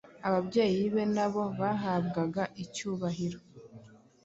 ababyeyi be nabo bahabwaga icyubahiro